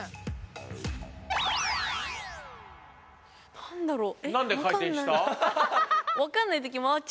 何だろう。